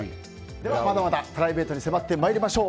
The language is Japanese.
ではまだまだプライベートに迫っていきましょう。